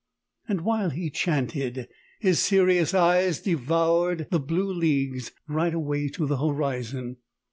And while he chanted, his serious eyes devoured the blue leagues right away to the horizon.